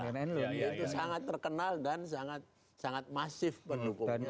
itu sangat terkenal dan sangat masif pendukungnya